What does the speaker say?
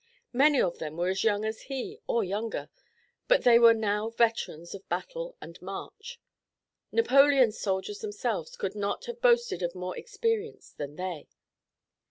Many of them were as young as he or younger, but they were now veterans of battle and march. Napoleon's soldiers themselves could not have boasted of more experience than they.